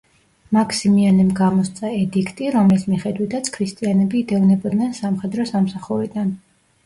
მაქსიმიანემ გამოსცა ედიქტი, რომლის მიხედვითაც ქრისტიანები იდევნებოდნენ სამხედრო სამსახურიდან.